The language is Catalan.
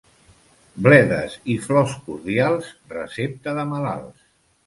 Bledes i flors cordials, recepta de malalts.